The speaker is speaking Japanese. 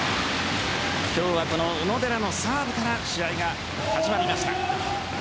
今日は小野寺のサーブから試合が始まりました。